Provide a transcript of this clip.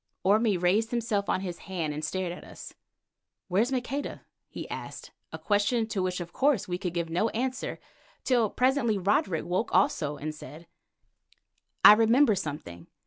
Orme raised himself on his hand and stared at us. "Where's Maqueda?" he asked, a question to which of course, we could give no answer, till presently Roderick woke also and said: "I remember something.